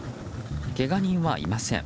けが人はいません。